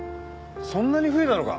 そんなに増えたのか？